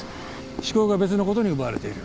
思考が別の事に奪われている。